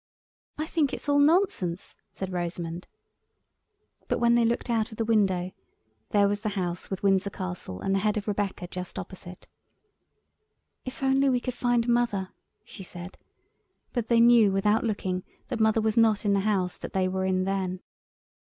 "I think it's all nonsense," said Rosamund. But when they looked out of the window there was the house with Windsor Castle and the head of Rebecca just opposite. "If we could only find Mother," she said; but they knew without looking that Mother was not in the house that they were in then.